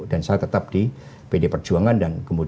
dan saya tetap di pd perjuangan